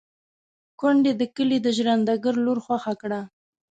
کونډې د کلي د ژرنده ګړي لور خوښه کړه.